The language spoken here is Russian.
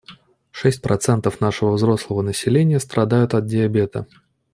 Шесть процентов нашего взрослого населения страдают от диабета.